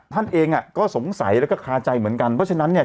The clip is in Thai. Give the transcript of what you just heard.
ท่านเองอ่ะก็สงสัยแล้วก็คาใจเหมือนกันเพราะฉะนั้นเนี่ย